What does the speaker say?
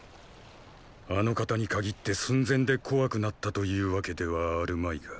あの方に限って寸前で怖くなったというわけではあるまいが。